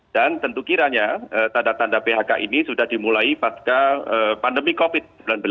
dan tentu kiranya tanda tanda phk ini sudah dimulai pasca pandemi covid sembilan belas